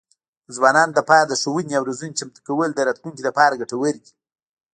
د ځوانانو لپاره د ښوونې او روزنې چمتو کول د راتلونکي لپاره ګټور دي.